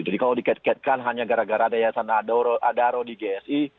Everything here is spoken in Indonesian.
jadi kalau diket ketkan hanya gara gara ada iyasan adaro di gsi